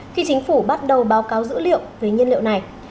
khi chính phủ bắt đầu báo cáo dữ liệu về nhiên liệu này